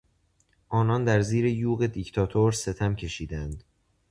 آنان در زیر یوغ دیکتاتور ستم کشیدند.